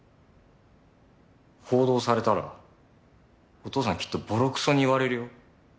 報道されたらお父さんきっとボロクソに言われるよ。